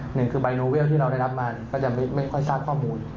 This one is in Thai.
หนึ่งคือใบโนเวลที่เราได้รับมาก็จะไม่ค่อยทราบข้อมูล